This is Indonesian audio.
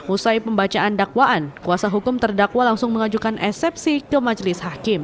usai pembacaan dakwaan kuasa hukum terdakwa langsung mengajukan eksepsi ke majelis hakim